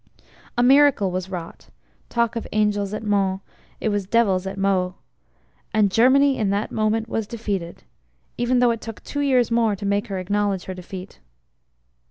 A miracle was wrought (talk of Angels at Mons, it was Devils at Meaux), and Germany in that moment was defeated even though it took two years more to make her acknowledge her defeat.